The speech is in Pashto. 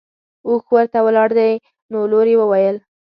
اوښ ورته ولاړ دی نو لور یې وویل.